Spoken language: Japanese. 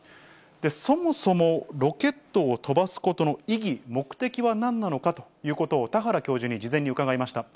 そもそもロケットを飛ばすことの意義、目的はなんなのかということを、田原教授に事前に伺いました。